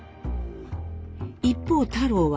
一方太郎は。